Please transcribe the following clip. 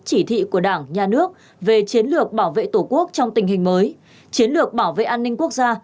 chỉ thị của đảng nhà nước về chiến lược bảo vệ tổ quốc trong tình hình mới chiến lược bảo vệ an ninh quốc gia